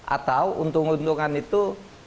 atau untung untungan itu